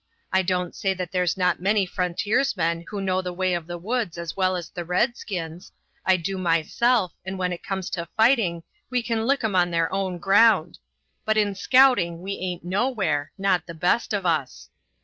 I don't say that there's not many frontiersmen who know the way of the woods as well as the redskins. I do myself, and when it comes to fighting we can lick 'em on their own ground; but in scouting we aint nowhere not the best of us.